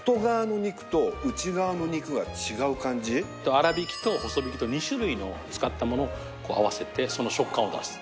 粗挽きと細挽きと２種類の使ったものを合わせてその食感を出す。